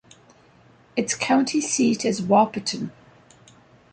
Its county seat is Wahpeton.